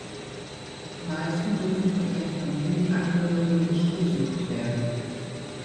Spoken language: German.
Die meisten dürfen von ihren Familienangehörigen nicht besucht werden.